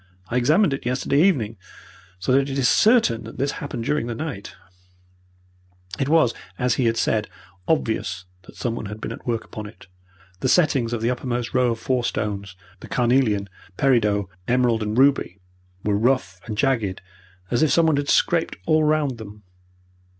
I examined it yesterday evening, so that it is certain that this has happened during the night." It was, as he had said, obvious that someone had been at work upon it. The settings of the uppermost row of four stones the carnelian, peridot, emerald, and ruby were rough and jagged as if someone had scraped all round them.